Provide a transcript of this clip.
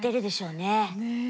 ねえ。